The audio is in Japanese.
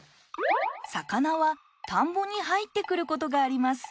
魚は田んぼに入ってくることがあります。